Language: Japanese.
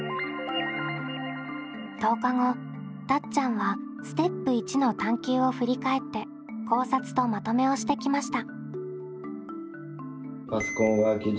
１０日後たっちゃんはステップ①の探究を振り返って考察とまとめをしてきました。